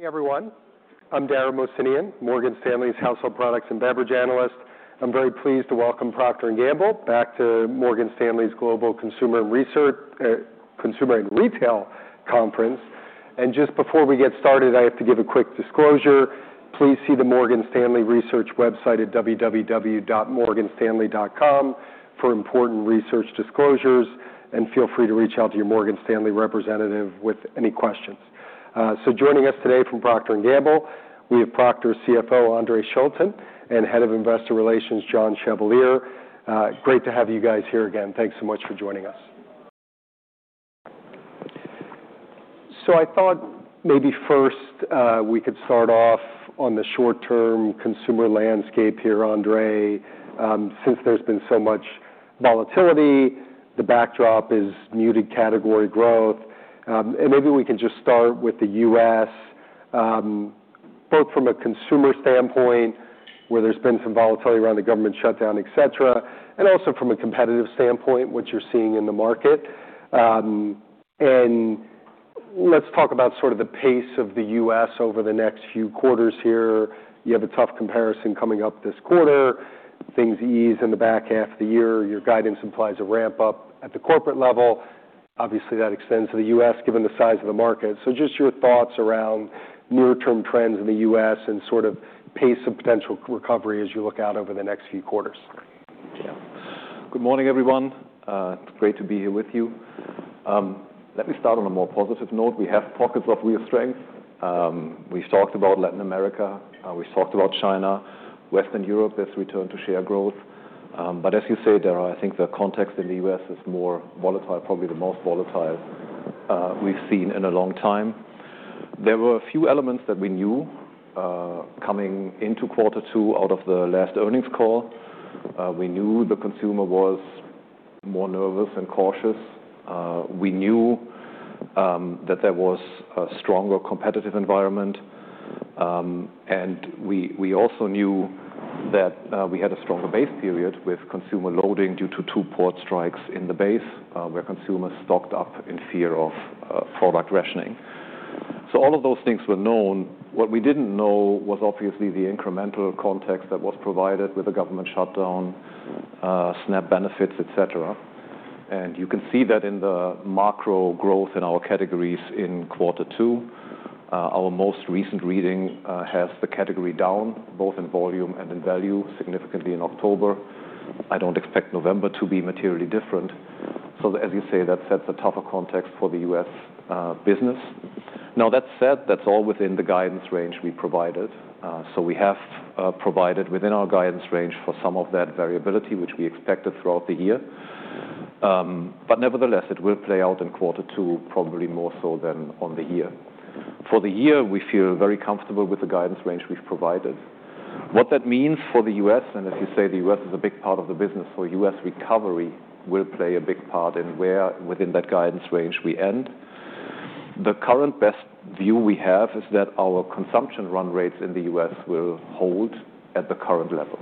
Good morning, everyone. I'm Dara Mohsenian, Morgan Stanley's household products and beverage analyst. I'm very pleased to welcome Procter & Gamble back to Morgan Stanley's Global Consumer and Retail Conference. Just before we get started, I have to give a quick disclosure. Please see the Morgan Stanley Research website at www.morganstanley.com for important research disclosures, and feel free to reach out to your Morgan Stanley representative with any questions. Joining us today from Procter & Gamble, we have Procter & Gamble CFO Andre Schulten and Head of Investor Relations John Chevalier. Great to have you guys here again. Thanks so much for joining us. I thought maybe first we could start off on the short-term consumer landscape here, Andre. Since there's been so much volatility, the backdrop is muted category growth. Maybe we can just start with the U.S., both from a consumer standpoint, where there's been some volatility around the government shutdown, etc., and also from a competitive standpoint, what you're seeing in the market. Let's talk about sort of the pace of the U.S. over the next few quarters here. You have a tough comparison coming up this quarter. Things ease in the back half of the year. Your guidance implies a ramp-up at the corporate level. Obviously, that extends to the U.S., given the size of the market. Just your thoughts around near-term trends in the U.S. and sort of pace of potential recovery as you look out over the next few quarters. Yeah. Good morning, everyone. It's great to be here with you. Let me start on a more positive note. We have pockets of real strength. We've talked about Latin America. We've talked about China. Western Europe, there's return to share growth. As you say, Dara, I think the context in the U.S. is more volatile, probably the most volatile we've seen in a long time. There were a few elements that we knew com.ing into Q2 out of the last earnings call. We knew the consumer was more nervous and cautious. We knew that there was a stronger competitive environment. We also knew that we had a stronger base period with consumer loading due to two port strikes in the base, where consumers stocked up in fear of product rationing. All of those things were known. What we didn't know was obviously the incremental context that was provided with the government shutdown, SNAP benefits, etc. You can see that in the macro growth in our categories in Q2. Our most recent reading has the category down, both in volume and in value, significantly in October. I don't expect November to be materially different. As you say, that sets a tougher context for the U.S. business. That said, that's all within the guidance range we provided. We have provided within our guidance range for some of that variability, which we expected throughout the year. Nevertheless, it will play out in Q2, probably more so than on the year. For the year, we feel very comfortable with the guidance range we've provided. What that means for the U.S., and as you say, the U.S. is a big part of the business, so U.S. recovery will play a big part in where within that guidance range we end. The current best view we have is that our consumption run rates in the U.S. will hold at the current level.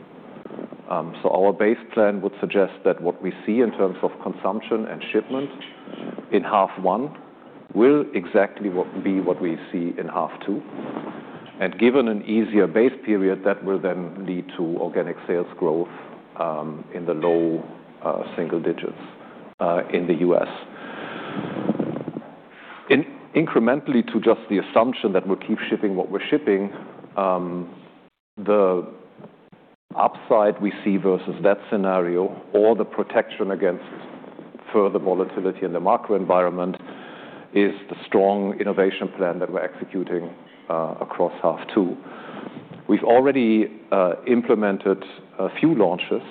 Our base plan would suggest that what we see in terms of consumption and shipment in half one will exactly be what we see in half two. Given an easier base period, that will then lead to organic sales growth in the low single digits in the U.S.. Incrementally to just the assumption that we'll keep shipping what we're shipping, the upside we see versus that scenario, or the protection against further volatility in the macro environment, is the strong innovation plan that we're executing across half two. We've already implemented a few launches,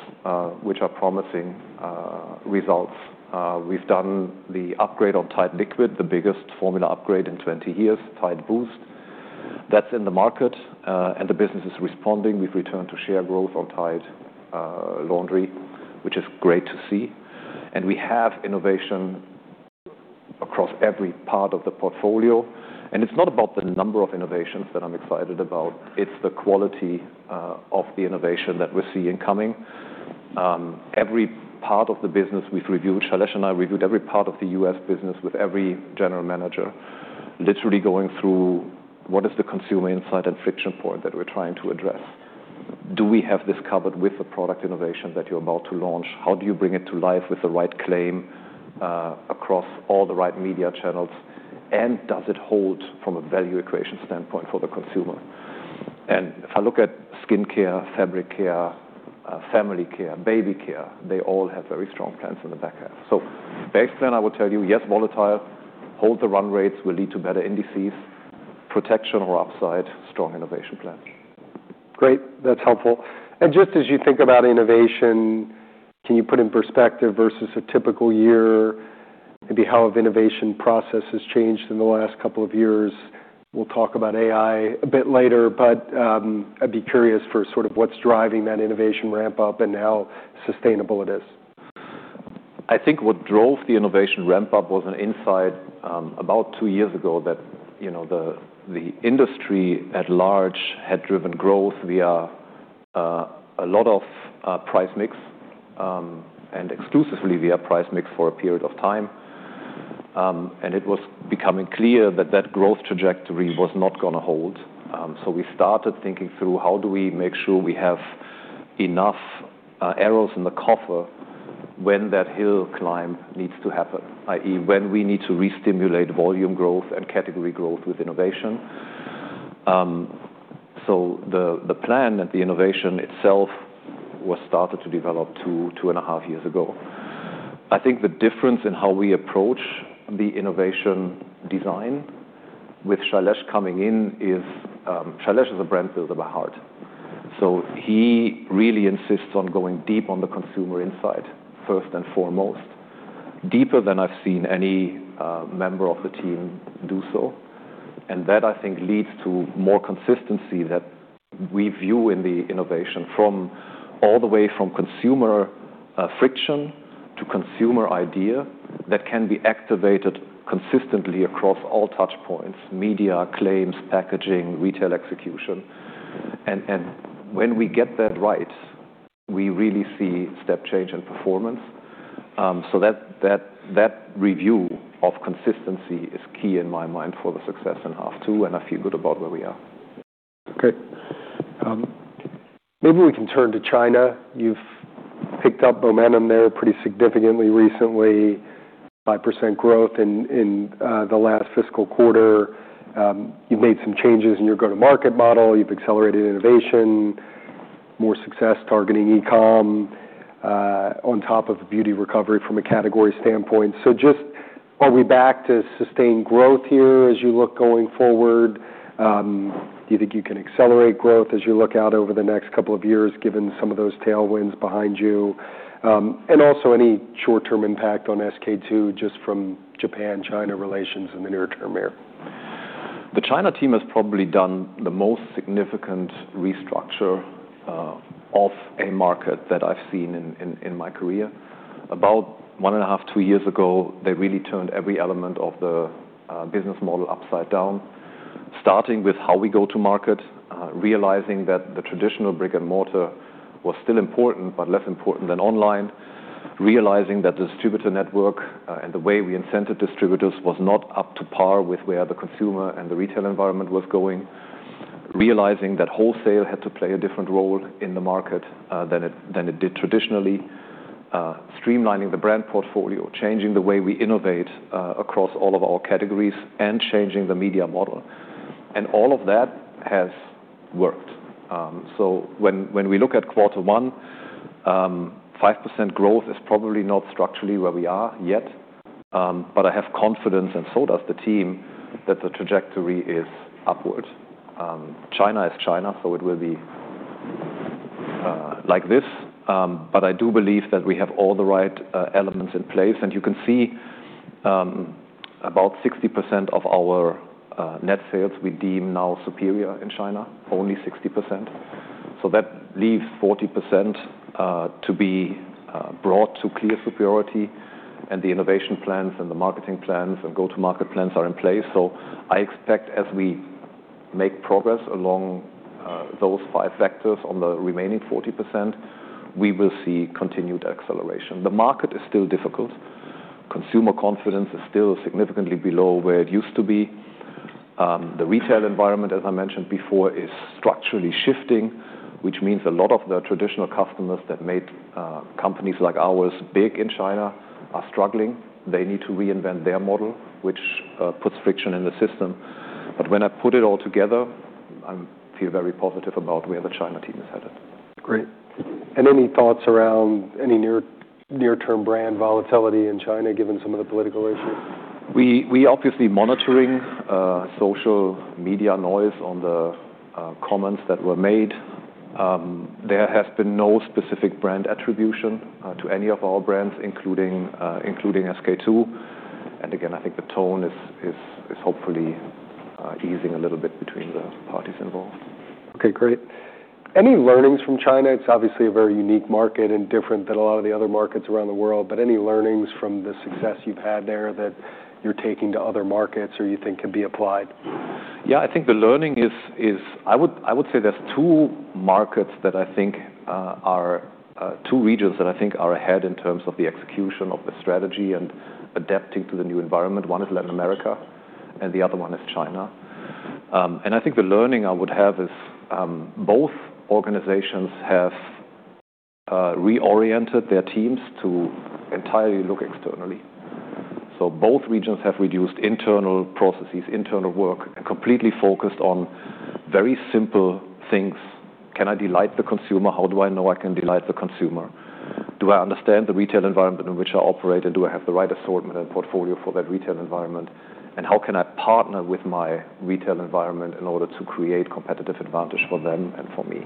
which are promising results. We've done the upgrade on Tide Liquid, the biggest formula upgrade in 20 years, Tide Boost. That's in the market, and the business is responding. We've returned to share growth on Tide Laundry, which is great to see. We have innovation across every part of the portfolio. It's not about the number of innovations that I'm excited about. It's the quality of the innovation that we're seeing coming. Every part of the business we've reviewed, Shailesh and I reviewed every part of the U.S. business with every general manager, literally going through what is the consumer insight and friction point that we're trying to address. Do we have this covered with the product innovation that you're about to launch? How do you bring it to life with the right claim across all the right media channels? Does it hold from a value equation standpoint for the consumer? If I look at skincare, fabric care, family care, baby care, they all have very strong plans in the back half. Base plan, I would tell you, yes, volatile, hold the run rates, will lead to better indices, protection or upside, strong innovation plans. Great. That's helpful. Just as you think about innovation, can you put in perspective versus a typical year, maybe how have innovation processes changed in the last couple of years? We'll talk about AI a bit later, but I'd be curious for sort of what's driving that innovation ramp-up and how sustainable it is. I think what drove the innovation ramp-up was an insight about two years ago that the industry at large had driven growth via a lot of price mix and exclusively via price mix for a period of time. It was becoming clear that that growth trajectory was not going to hold. We started thinking through how do we make sure we have enough arrows in the coffer when that hill climb needs to happen, i.e., when we need to restimulate volume growth and category growth with innovation. The plan and the innovation itself was started to develop two and a half years ago. I think the difference in how we approach the innovation design with Shailesh coming in is Shailesh is a brand builder by heart. He really insists on going deep on the consumer insight, first and foremost, deeper than I've seen any member of the team do so. That, I think, leads to more consistency that we view in the innovation from all the way from consumer friction to consumer idea that can be activated consistently across all touchpoints: media, claims, packaging, retail execution. When we get that right, we really see step change in performance. That review of consistency is key in my mind for the success in half two, and I feel good about where we are. Okay. Maybe we can turn to China. You've picked up momentum there pretty significantly recently, 5% growth in the last fiscal quarter. You've made some changes in your go-to-market model. You've accelerated innovation, more success targeting e-comm on top of beauty recovery from a category standpoint. Just are we back to sustained growth here as you look going forward? Do you think you can accelerate growth as you look out over the next couple of years, given some of those tailwinds behind you? Also any short-term impact on SK-II just from Japan, China relations in the near term here? The China team has probably done the most significant restructure of a market that I've seen in my career. About one and a half, two years ago, they really turned every element of the business model upside down, starting with how we go to market, realizing that the traditional brick and mortar was still important but less important than online, realizing that the distributor network and the way we incented distributors was not up to par with where the consumer and the retail environment was going, realizing that wholesale had to play a different role in the market than it did traditionally, streamlining the brand portfolio, changing the way we innovate across all of our categories, and changing the media model. All of that has worked. When we look at Q1, 5% growth is probably not structurally where we are yet, but I have confidence, and so does the team, that the trajectory is upward. China is China, it will be like this. I do believe that we have all the right elements in place. You can see about 60% of our net sales we deem now superior in China, only 60%. That leaves 40% to be brought to clear superiority. The innovation plans and the marketing plans and go-to-market plans are in place. I expect as we make progress along those five vectors on the remaining 40%, we will see continued acceleration. The market is still difficult. Consumer confidence is still significantly below where it used to be. The retail environment, as I mentioned before, is structurally shifting, which means a lot of the traditional customers that made companies like ours big in China are struggling. They need to reinvent their model, which puts friction in the system. When I put it all together, I feel very positive about where the China team is headed. Great. Any thoughts around any near-term brand volatility in China, given some of the political issues? We are obviously monitoring social media noise on the comments that were made. There has been no specific brand attribution to any of our brands, including SK-II. I think the tone is hopefully easing a little bit between the parties involved. Okay, great. Any learnings from China? It's obviously a very unique market and different than a lot of the other markets around the world, but any learnings from the success you've had there that you're taking to other markets or you think could be applied? Yeah, I think the learning is I would say there are two markets that I think are two regions that I think are ahead in terms of the execution of the strategy and adapting to the new environment. One is Latin America, and the other one is China. I think the learning I would have is both organizations have reoriented their teams to entirely look externally. Both regions have reduced internal processes, internal work, and completely focused on very simple things. Can I delight the consumer? How do I know I can delight the consumer? Do I understand the retail environment in which I operate? Do I have the right assortment and portfolio for that retail environment? How can I partner with my retail environment in order to create competitive advantage for them and for me?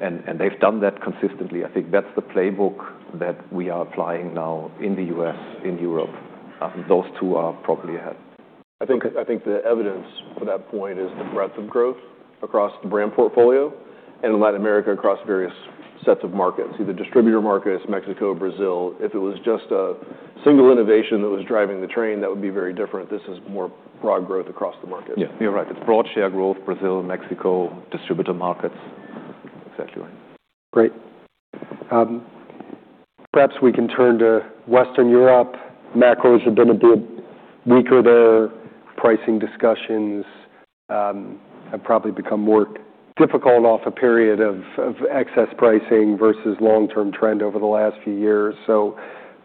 They have done that consistently. I think that's the playbook that we are applying now in the U.S., in Europe. Those two are probably ahead. I think the evidence for that point is the breadth of growth across the brand portfolio and in Latin America across various sets of markets, either distributor markets, Mexico, Brazil. If it was just a single innovation that was driving the train, that would be very different. This is more broad growth across the market. Yeah, you're right. It's broad share growth, Brazil, Mexico, distributor markets. Exactly right. Great. Perhaps we can turn to Western Europe. Macros have been a bit weaker there. Pricing discussions have probably become more difficult off a period of excess pricing versus long-term trend over the last few years.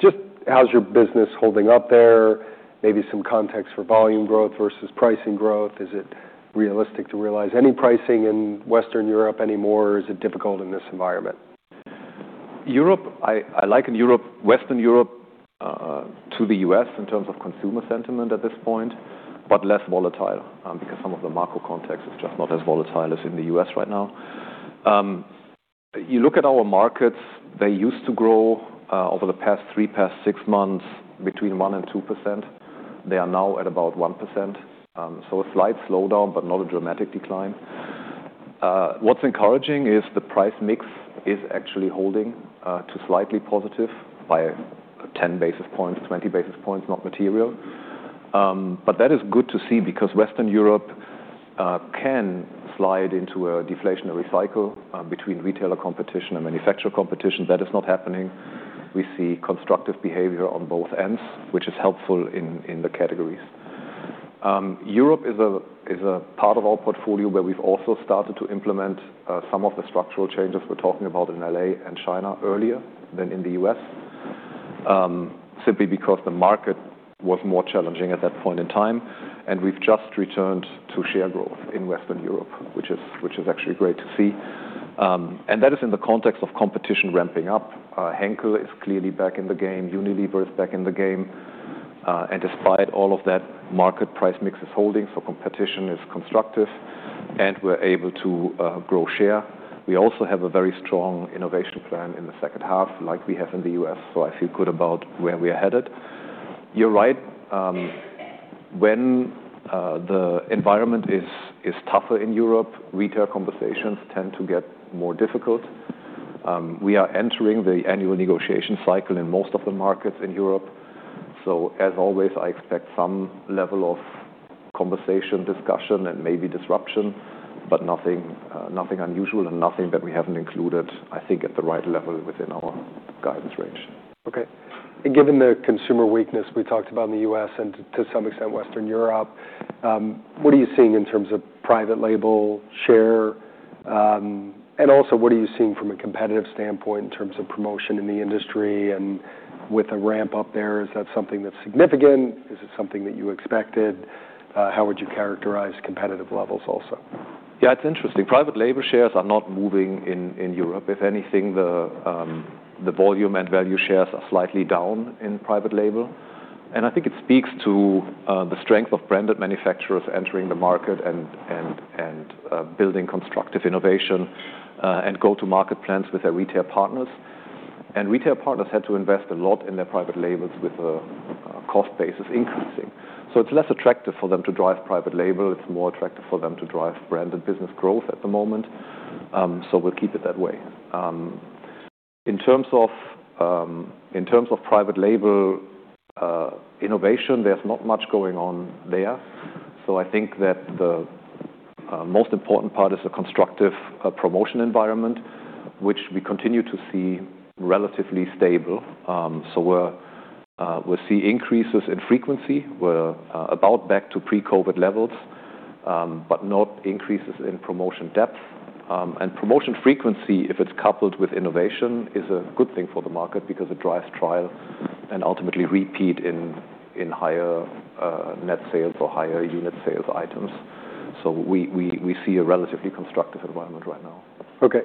Just how's your business holding up there? Maybe some context for volume growth versus pricing growth. Is it realistic to realize any pricing in Western Europe anymore, or is it difficult in this environment? Europe, I like in Western Europe to the U.S. in terms of consumer sentiment at this point, but less volatile because some of the macro context is just not as volatile as in the U.S. right now. You look at our markets, they used to grow over the past three, past six months between 1%-2%. They are now at about 1%. A slight slowdown, but not a dramatic decline. What's encouraging is the price mix is actually holding to slightly positive by 10 basis points, 20 basis points, not material. That is good to see because Western Europe can slide into a deflationary cycle between retailer competition and manufacturer competition. That is not happening. We see constructive behavior on both ends, which is helpful in the categories. Europe is a part of our portfolio where we've also started to implement some of the structural changes we're talking about in LA and China earlier than in the U.S., simply because the market was more challenging at that point in time. We've just returned to share growth in Western Europe, which is actually great to see. That is in the context of competition ramping up. Henkel is clearly back in the game. Unilever is back in the game. Despite all of that, market price mix is holding, so competition is constructive, and we're able to grow share. We also have a very strong innovation plan in the second half, like we have in the U.S., so I feel good about where we are headed. You're right. When the environment is tougher in Europe, retail conversations tend to get more difficult. We are entering the annual negotiation cycle in most of the markets in Europe. As always, I expect some level of conversation, discussion, and maybe disruption, but nothing unusual and nothing that we have not included, I think, at the right level within our guidance range. Okay. Given the consumer weakness we talked about in the U.S. and to some extent Western Europe, what are you seeing in terms of private label share? Also, what are you seeing from a competitive standpoint in terms of promotion in the industry and with a ramp-up there? Is that something that's significant? Is it something that you expected? How would you characterize competitive levels also? Yeah, it's interesting. Private label shares are not moving in Europe. If anything, the volume and value shares are slightly down in private label. I think it speaks to the strength of branded manufacturers entering the market and building constructive innovation and go-to-market plans with their retail partners. Retail partners had to invest a lot in their private labels with the cost basis increasing. It is less attractive for them to drive private label. It is more attractive for them to drive branded business growth at the moment. We will keep it that way. In terms of private label innovation, there is not much going on there. I think that the most important part is a constructive promotion environment, which we continue to see relatively stable. We will see increases in frequency. We are about back to pre-COVID levels, but not increases in promotion depth. Promotion frequency, if it's coupled with innovation, is a good thing for the market because it drives trial and ultimately repeat in higher net sales or higher unit sales items. We see a relatively constructive environment right now. Okay.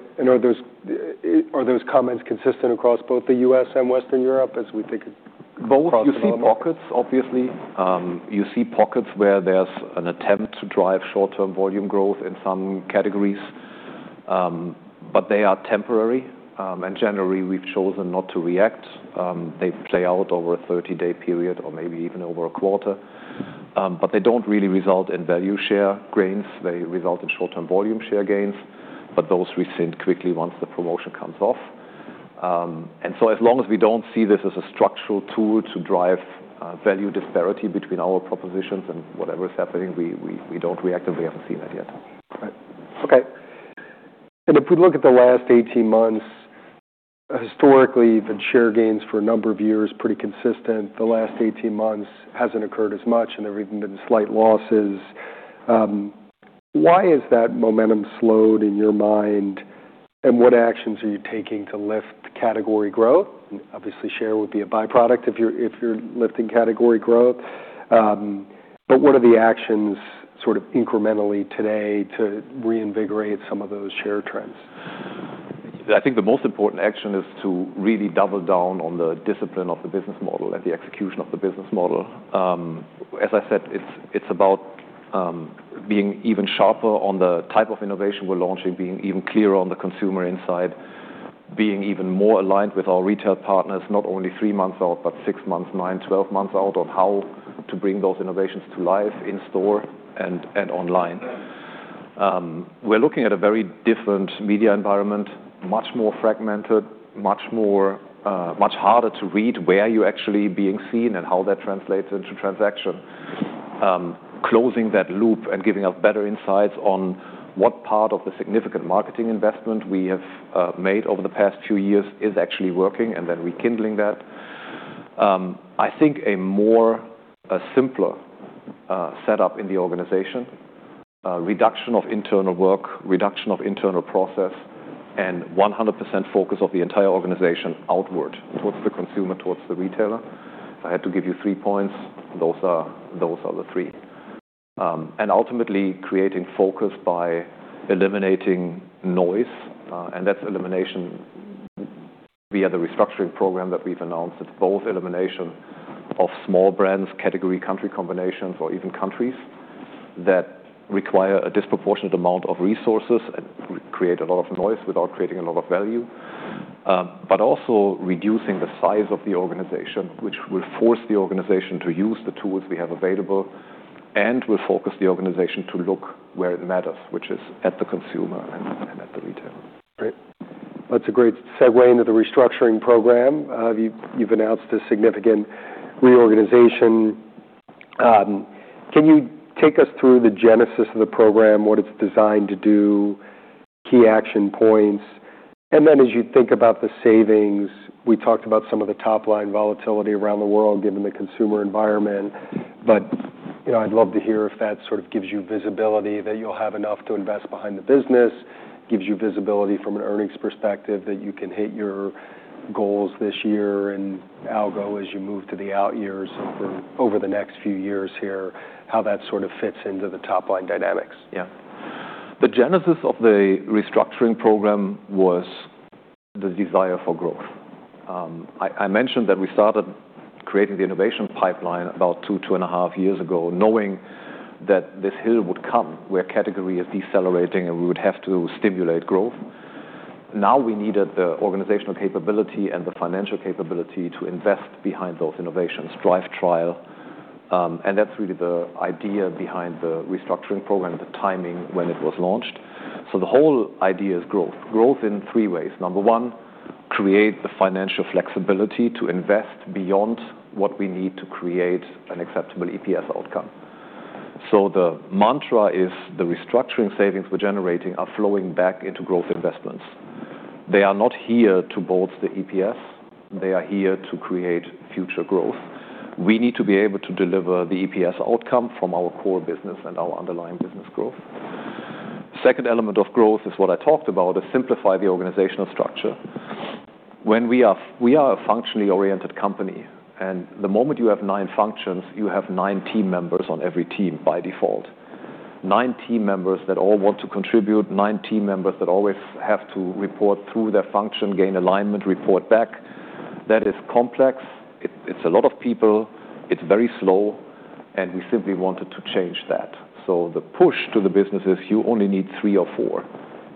Are those comments consistent across both the US and Western Europe as we think across the market? Both. You see pockets, obviously. You see pockets where there's an attempt to drive short-term volume growth in some categories, but they are temporary. Generally, we've chosen not to react. They play out over a 30-day period or maybe even over a quarter, but they don't really result in value share gains. They result in short-term volume share gains, but those rescind quickly once the promotion comes off. As long as we don't see this as a structural tool to drive value disparity between our propositions and whatever is happening, we don't react, and we haven't seen that yet. Okay. If we look at the last 18 months, historically, the share gains for a number of years were pretty consistent. The last 18 months hasn't occurred as much, and there have even been slight losses. Why has that momentum slowed in your mind, and what actions are you taking to lift category growth? Obviously, share would be a byproduct if you're lifting category growth. What are the actions sort of incrementally today to reinvigorate some of those share trends? I think the most important action is to really double down on the discipline of the business model and the execution of the business model. As I said, it's about being even sharper on the type of innovation we're launching, being even clearer on the consumer insight, being even more aligned with our retail partners, not only three months out, but six months, nine, twelve months out on how to bring those innovations to life in store and online. We're looking at a very different media environment, much more fragmented, much harder to read where you're actually being seen and how that translates into transaction. Closing that loop and giving us better insights on what part of the significant marketing investment we have made over the past few years is actually working, and then rekindling that. I think a more simpler setup in the organization, reduction of internal work, reduction of internal process, and 100% focus of the entire organization outward towards the consumer, towards the retailer. If I had to give you three points, those are the three. Ultimately, creating focus by eliminating noise. That is elimination via the restructuring program that we have announced. It is both elimination of small brands, category country combinations, or even countries that require a disproportionate amount of resources and create a lot of noise without creating a lot of value, but also reducing the size of the organization, which will force the organization to use the tools we have available and will focus the organization to look where it matters, which is at the consumer and at the retailer. Great. That's a great segue into the restructuring program. You've announced a significant reorganization. Can you take us through the genesis of the program, what it's designed to do, key action points? As you think about the savings, we talked about some of the top-line volatility around the world given the consumer environment. I'd love to hear if that sort of gives you visibility that you'll have enough to invest behind the business, gives you visibility from an earnings perspective that you can hit your goals this year and also as you move to the out years over the next few years here, how that sort of fits into the top-line dynamics. Yeah. The genesis of the restructuring program was the desire for growth. I mentioned that we started creating the innovation pipeline about two, two and a half years ago, knowing that this hill would come where category is decelerating and we would have to stimulate growth. Now we needed the organizational capability and the financial capability to invest behind those innovations, drive trial. That is really the idea behind the restructuring program, the timing when it was launched. The whole idea is growth. Growth in three ways. Number one, create the financial flexibility to invest beyond what we need to create an acceptable EPS outcome. The mantra is the restructuring savings we are generating are flowing back into growth investments. They are not here to bolster EPS. They are here to create future growth. We need to be able to deliver the EPS outcome from our core business and our underlying business growth. The second element of growth is what I talked about, is simplify the organizational structure. When we are a functionally oriented company, and the moment you have nine functions, you have nine team members on every team by default. Nine team members that all want to contribute, nine team members that always have to report through their function, gain alignment, report back. That is complex. It is a lot of people. It is very slow. We simply wanted to change that. The push to the business is you only need three or four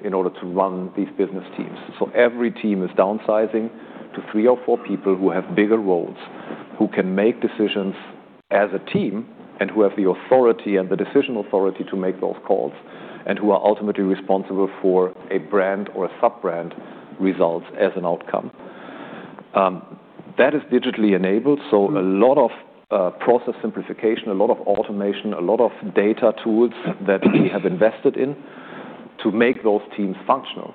in order to run these business teams. Every team is downsizing to three or four people who have bigger roles, who can make decisions as a team and who have the authority and the decision authority to make those calls and who are ultimately responsible for a brand or a sub-brand results as an outcome. That is digitally enabled. A lot of process simplification, a lot of automation, a lot of data tools that we have invested in to make those teams functional.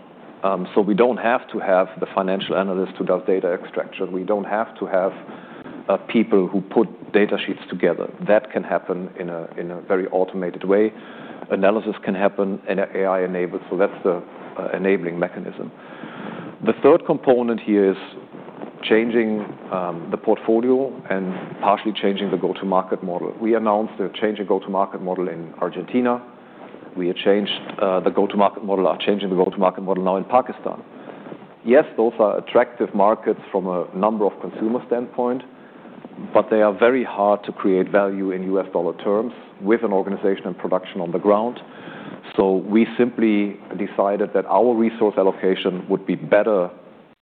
We do not have to have the financial analyst to do data extraction. We do not have to have people who put data sheets together. That can happen in a very automated way. Analysis can happen in an AI-enabled. That is the enabling mechanism. The third component here is changing the portfolio and partially changing the go-to-market model. We announced a change in go-to-market model in Argentina. We have changed the go-to-market model. Are changing the go-to-market model now in Pakistan. Yes, those are attractive markets from a number of consumer standpoint, but they are very hard to create value in US dollar terms with an organization and production on the ground. We simply decided that our resource allocation would be better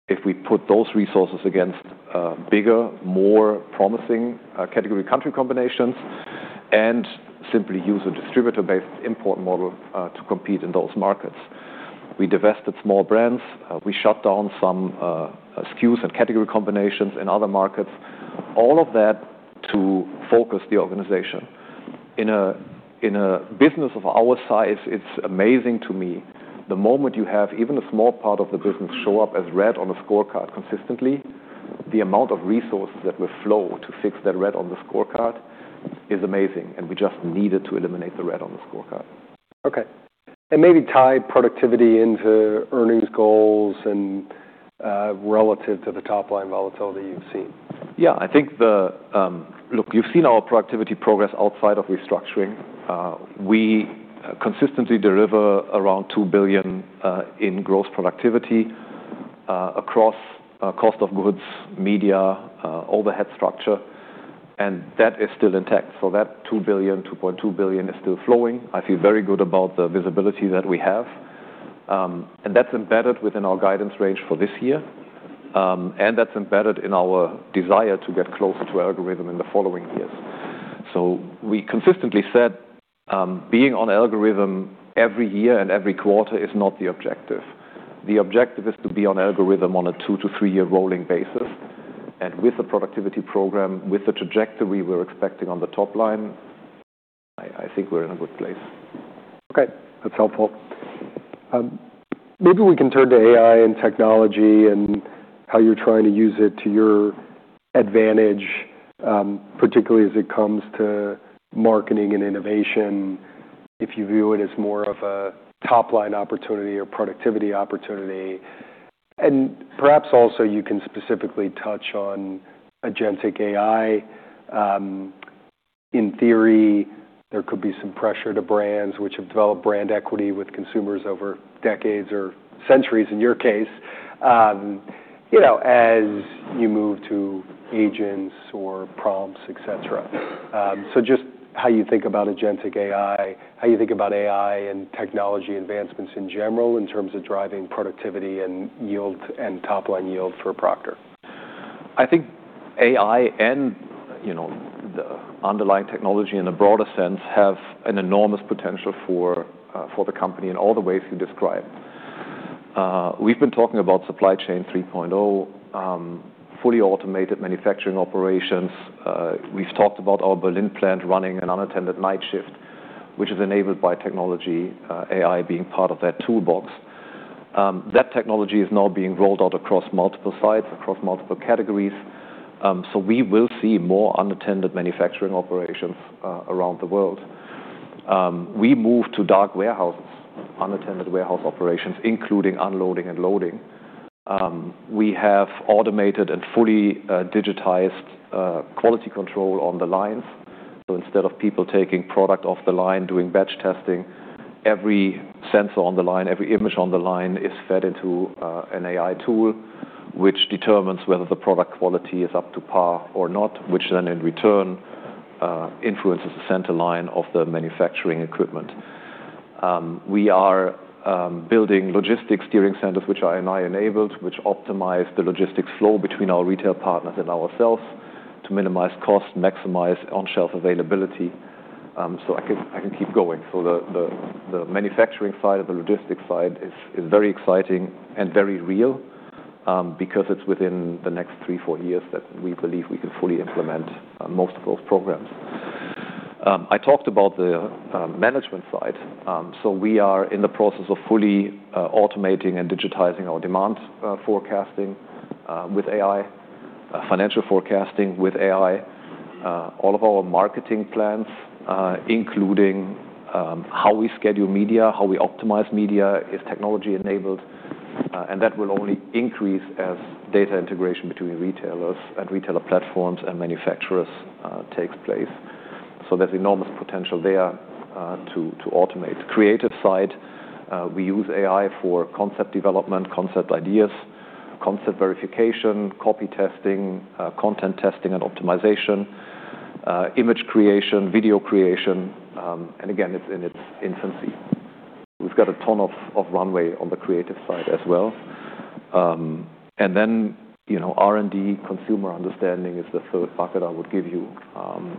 if we put those resources against bigger, more promising category country combinations and simply use a distributor-based import model to compete in those markets. We divested small brands. We shut down some SKUs and category combinations in other markets. All of that to focus the organization. In a business of our size, it's amazing to me. The moment you have even a small part of the business show up as red on a scorecard consistently, the amount of resources that will flow to fix that red on the scorecard is amazing. We just needed to eliminate the red on the scorecard. Okay. Maybe tie productivity into earnings goals relative to the top-line volatility you've seen. Yeah. I think the look, you've seen our productivity progress outside of restructuring. We consistently deliver around $2 billion in gross productivity across cost of goods, media, overhead structure. That is still intact. That $2 billion-$2.2 billion is still flowing. I feel very good about the visibility that we have. That is embedded within our guidance range for this year. That is embedded in our desire to get closer to algorithm in the following years. We consistently said being on algorithm every year and every quarter is not the objective. The objective is to be on algorithm on a two to three-year rolling basis. With the productivity program, with the trajectory we're expecting on the top line, I think we're in a good place. Okay. That's helpful. Maybe we can turn to AI and technology and how you're trying to use it to your advantage, particularly as it comes to marketing and innovation, if you view it as more of a top-line opportunity or productivity opportunity. Perhaps also you can specifically touch on agentic AI. In theory, there could be some pressure to brands which have developed brand equity with consumers over decades or centuries in your case as you move to agents or prompts, etc. Just how you think about agentic AI, how you think about AI and technology advancements in general in terms of driving productivity and yield and top-line yield for a Procter. I think AI and the underlying technology in a broader sense have an enormous potential for the company in all the ways you describe. We've been talking about Supply Chain 3.0, fully automated manufacturing operations. We've talked about our Berlin plant running an unattended night shift, which is enabled by technology, AI being part of that toolbox. That technology is now being rolled out across multiple sites, across multiple categories. We will see more unattended manufacturing operations around the world. We moved to dark warehouses, unattended warehouse operations, including unloading and loading. We have automated and fully digitized quality control on the lines. Instead of people taking product off the line, doing batch testing, every sensor on the line, every image on the line is fed into an AI tool, which determines whether the product quality is up to par or not, which then in return influences the center line of the manufacturing equipment. We are building logistics steering centers, which are AI-enabled, which optimize the logistics flow between our retail partners and ourselves to minimize cost, maximize on-shelf availability. I can keep going. The manufacturing side of the logistics side is very exciting and very real because it is within the next three, four years that we believe we can fully implement most of those programs. I talked about the management side. We are in the process of fully automating and digitizing our demand forecasting with AI, financial forecasting with AI. All of our marketing plans, including how we schedule media, how we optimize media, is technology-enabled. That will only increase as data integration between retailers and retailer platforms and manufacturers takes place. There is enormous potential there to automate. Creative side, we use AI for concept development, concept ideas, concept verification, copy testing, content testing and optimization, image creation, video creation. Again, it is in its infancy. We have got a ton of runway on the creative side as well. R&D, consumer understanding is the third bucket I would give you.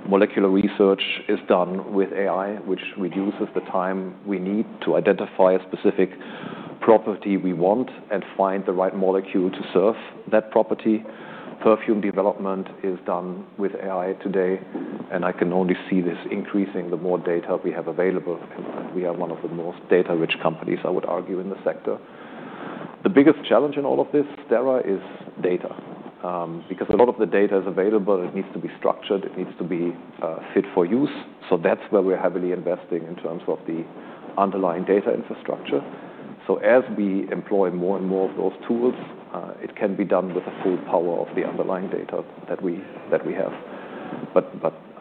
Molecular research is done with AI, which reduces the time we need to identify a specific property we want and find the right molecule to serve that property. Perfume development is done with AI today. I can only see this increasing the more data we have available. We are one of the most data-rich companies, I would argue, in the sector. The biggest challenge in all of this, Dara, is data. Because a lot of the data is available, it needs to be structured, it needs to be fit for use. That is where we're heavily investing in terms of the underlying data infrastructure. As we employ more and more of those tools, it can be done with the full power of the underlying data that we have.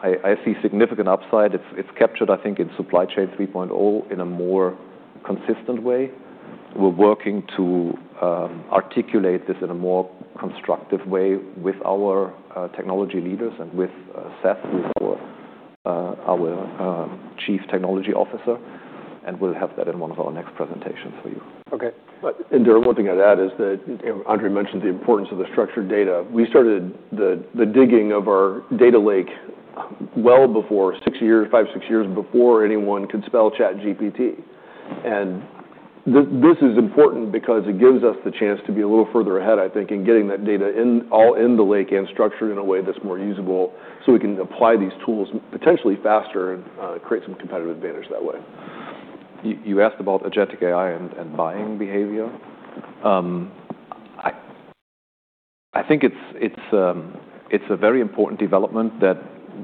I see significant upside. It's captured, I think, in Supply Chain 3.0 in a more consistent way. We're working to articulate this in a more constructive way with our technology leaders and with Paola, our Chief Technology Officer. We'll have that in one of our next presentations for you. Okay. The other one thing I'd add is that Andre mentioned the importance of the structured data. We started the digging of our data lake well before six years, five, six years before anyone could spell ChatGPT. This is important because it gives us the chance to be a little further ahead, I think, in getting that data all in the lake and structured in a way that's more usable so we can apply these tools potentially faster and create some competitive advantage that way. You asked about agentic AI and buying behavior. I think it's a very important development that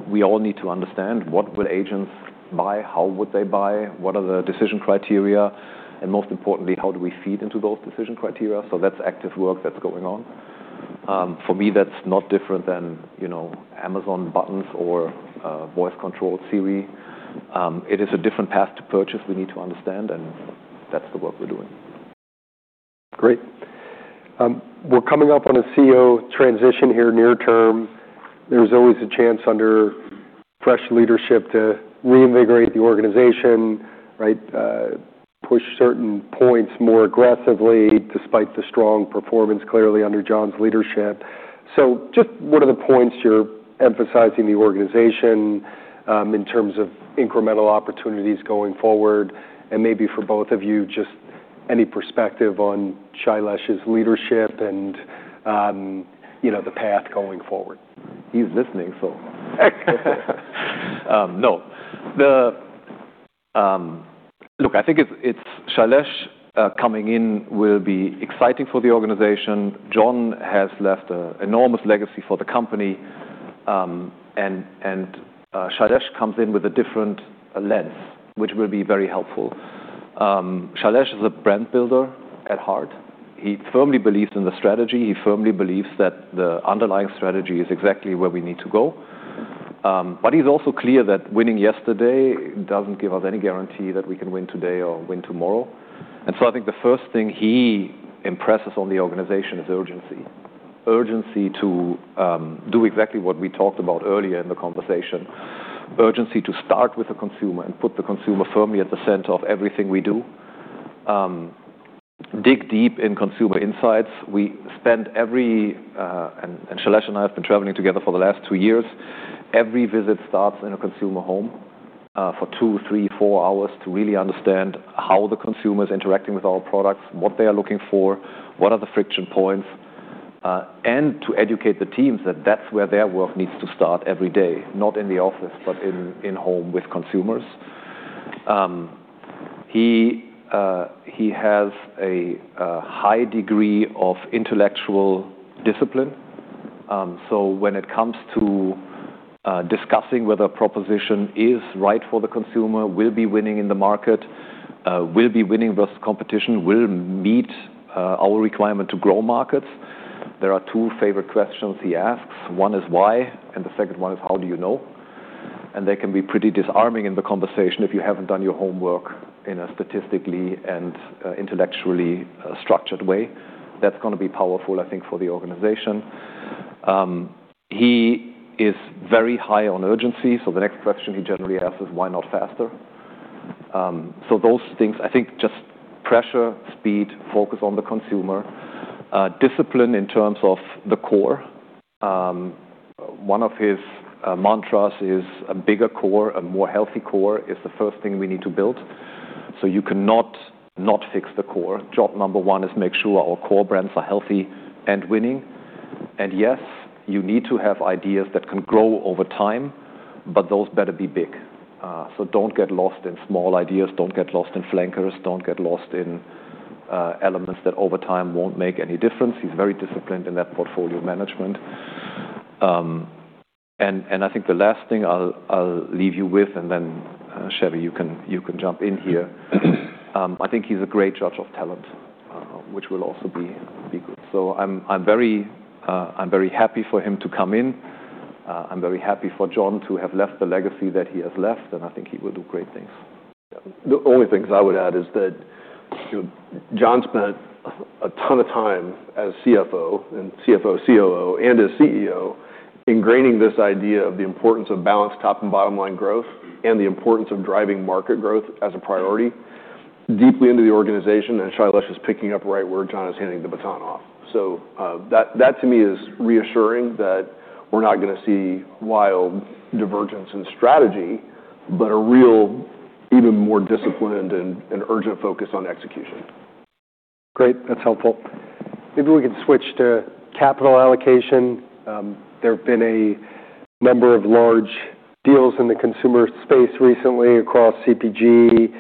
we all need to understand. What would agents buy? How would they buy? What are the decision criteria? Most importantly, how do we feed into those decision criteria? That is active work that is going on. For me, that is not different than Amazon buttons or voice control Siri. It is a different path to purchase we need to understand. That is the work we are doing. Great. We're coming up on a CEO transition here near term. There's always a chance under fresh leadership to reinvigorate the organization, right? Push certain points more aggressively despite the strong performance clearly under Jon's leadership. Just what are the points you're emphasizing the organization in terms of incremental opportunities going forward? Maybe for both of you, just any perspective on Shailesh's leadership and the path going forward. He's listening, so. No. Look, I think it's Shailesh coming in will be exciting for the organization. Jon has left an enormous legacy for the company. Shailesh comes in with a different lens, which will be very helpful. Shailesh is a brand builder at heart. He firmly believes in the strategy. He firmly believes that the underlying strategy is exactly where we need to go. He's also clear that winning yesterday doesn't give us any guarantee that we can win today or win tomorrow. I think the first thing he impresses on the organization is urgency. Urgency to do exactly what we talked about earlier in the conversation. Urgency to start with the consumer and put the consumer firmly at the center of everything we do. Dig deep in consumer insights. We spend every—and Shailesh and I have been traveling together for the last two years—every visit starts in a consumer home for two, three, four hours to really understand how the consumer is interacting with our products, what they are looking for, what are the friction points, and to educate the teams that that's where their work needs to start every day, not in the office, but in home with consumers. He has a high degree of intellectual discipline. When it comes to discussing whether a proposition is right for the consumer, will be winning in the market, will be winning versus competition, will meet our requirement to grow markets, there are two favorite questions he asks. One is why, and the second one is how do you know? They can be pretty disarming in the conversation if you have not done your homework in a statistically and intellectually structured way. That is going to be powerful, I think, for the organization. He is very high on urgency. The next question he generally asks is why not faster? Those things, I think, just pressure, speed, focus on the consumer, discipline in terms of the core. One of his mantras is a bigger core, a more healthy core is the first thing we need to build. You cannot not fix the core. Job number one is make sure our core brands are healthy and winning. Yes, you need to have ideas that can grow over time, but those better be big. Do not get lost in small ideas. Do not get lost in flankers. Do not get lost in elements that over time will not make any difference. He's very disciplined in that portfolio management. I think the last thing I'll leave you with, and then Chevy, you can jump in here. I think he's a great judge of talent, which will also be good. I am very happy for him to come in. I am very happy for Jon to have left the legacy that he has left. I think he will do great things. The only things I would add is that Jon spent a ton of time as CFO and COO and as CEO ingraining this idea of the importance of balanced top and bottom line growth and the importance of driving market growth as a priority deeply into the organization. Shailesh is picking up right where Jon is handing the baton off. That to me is reassuring that we're not going to see wild divergence in strategy, but a real even more disciplined and urgent focus on execution. Great. That's helpful. Maybe we can switch to capital allocation. There have been a number of large deals in the consumer space recently across CPG.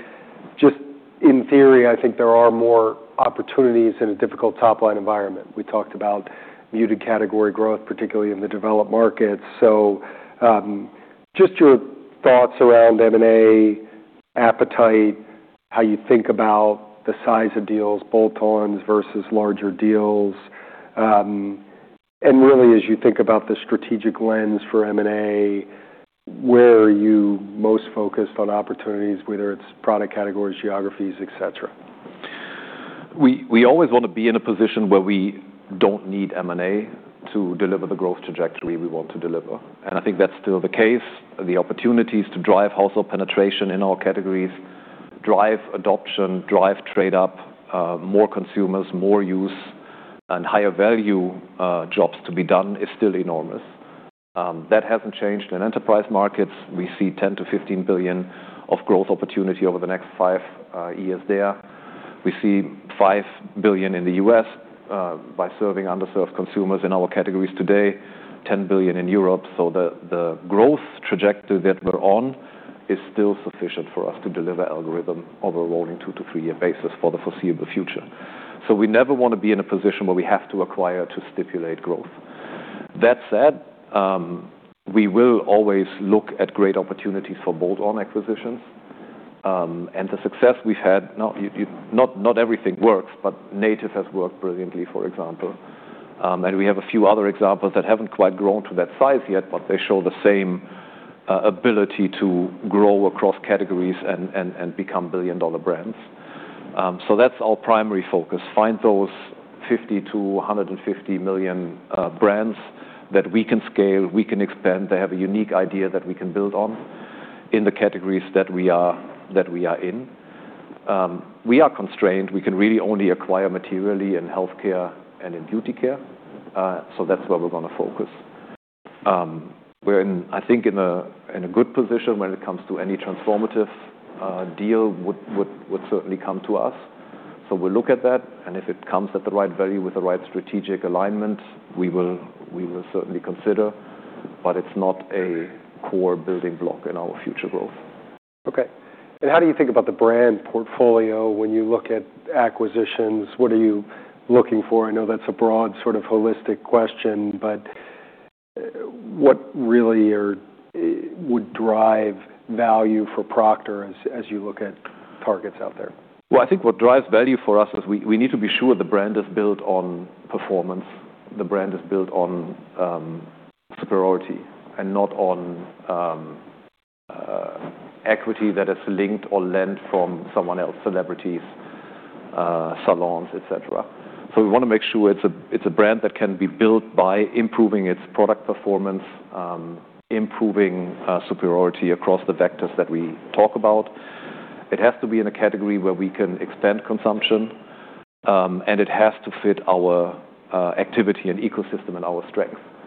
Just in theory, I think there are more opportunities in a difficult top-line environment. We talked about muted category growth, particularly in the developed markets. Just your thoughts around M&A appetite, how you think about the size of deals, bolt-ons versus larger deals. Really, as you think about the strategic lens for M&A, where are you most focused on opportunities, whether it's product categories, geographies, etc.? We always want to be in a position where we do not need M&A to deliver the growth trajectory we want to deliver. I think that is still the case. The opportunities to drive household penetration in our categories, drive adoption, drive trade-up, more consumers, more use, and higher value jobs to be done is still enormous. That has not changed in enterprise markets. We see $10 billion-$15 billion of growth opportunity over the next five years there. We see $5 billion in the US by serving underserved consumers in our categories today, $10 billion in Europe. The growth trajectory that we are on is still sufficient for us to deliver algorithm over a rolling two to three-year basis for the foreseeable future. We never want to be in a position where we have to acquire to stipulate growth. That said, we will always look at great opportunities for bolt-on acquisitions. The success we've had, not everything works, but Native has worked brilliantly, for example. We have a few other examples that haven't quite grown to that size yet, but they show the same ability to grow across categories and become billion-dollar brands. That's our primary focus. Find those $50 million-$150 million brands that we can scale, we can expand. They have a unique idea that we can build on in the categories that we are in. We are constrained. We can really only acquire materially in healthcare and in beauty care. That's where we're going to focus. We're in, I think, in a good position when it comes to any transformative deal would certainly come to us. We'll look at that. If it comes at the right value with the right strategic alignment, we will certainly consider. It is not a core building block in our future growth. Okay. How do you think about the brand portfolio when you look at acquisitions? What are you looking for? I know that's a broad sort of holistic question, but what really would drive value for Procter as you look at targets out there? I think what drives value for us is we need to be sure the brand is built on performance. The brand is built on superiority and not on equity that is linked or lent from someone else, celebrities, salons, etc. We want to make sure it's a brand that can be built by improving its product performance, improving superiority across the vectors that we talk about. It has to be in a category where we can expand consumption, and it has to fit our activity and ecosystem and our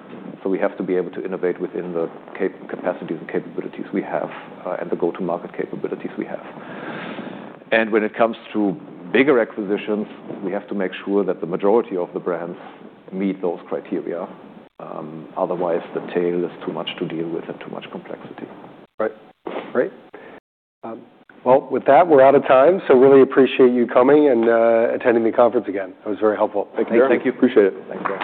strength. We have to be able to innovate within the capacities and capabilities we have and the go-to-market capabilities we have. When it comes to bigger acquisitions, we have to make sure that the majority of the brands meet those criteria. Otherwise, the tail is too much to deal with and too much complexity. Right. Great. With that, we're out of time. I really appreciate you coming and attending the conference again. It was very helpful. Thank you, Derek. Thank you. Appreciate it. Thanks.